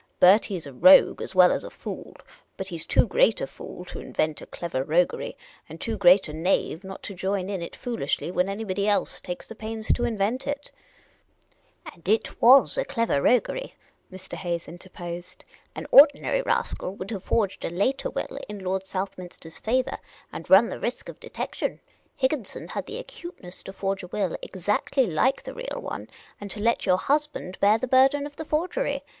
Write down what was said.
Bertie 's a rogue as well as a fool ; but he 's too great a fool to invent a clever roguery, and too great a knave not to join in it foolishly when anybody else takes the pains to invent it." 332 Miss Cayley's Adventures " And it 7vas a clever roguery," Mr. Hayes interposed. " All ordinary rascal would have forged a later will in Lord Southniinster's favour and run the lisk of detection ; Higginson had the acuteness to forge a will exactly like the real one, and to let your husband bear the burden of the forgery.